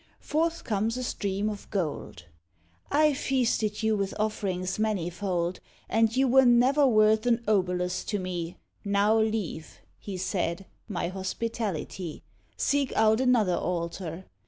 Forth comes a stream of gold. "I feasted you with offerings manifold, And you were never worth an obolus to me; Now leave," he said, "my hospitality, Seek out another altar.